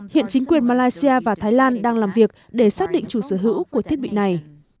hiện chính quyền malaysia và thái lan đang làm việc để xác định chủ sở hữu của thiết bị này